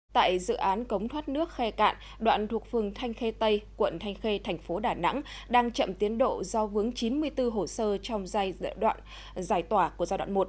tại dự án cống thoát nước khe cạn đoạn thuộc phường thanh khê tây quận thanh khê thành phố đà nẵng đang chậm tiến độ do vướng chín mươi bốn hồ sơ trong giai đoạn giải tỏa của giai đoạn một